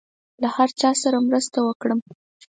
له هر چا سره مرسته وکړم.